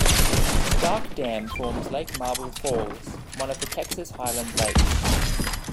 Starcke Dam forms Lake Marble Falls, one of the Texas Highland Lakes.